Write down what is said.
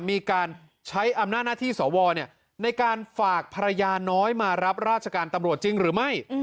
มีการใช้อำนาจหน้าที่สวในการฝากภรรยาน้อยมารับราชการตำรวจจริงหรือไม่